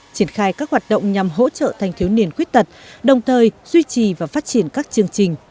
triển khai các hoạt động nhằm hỗ trợ thanh thiếu niên khuyết tật đồng thời duy trì và phát triển các chương trình